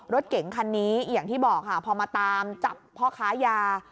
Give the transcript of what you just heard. รถเก๋งคันนี้อย่างที่บอกค่ะพอมาตามจับพ่อค้ายา